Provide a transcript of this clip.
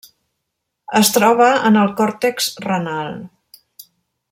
Es troba en el còrtex renal.